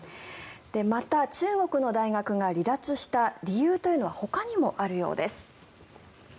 また、中国の大学が離脱した理由というのはほかにもあるようです。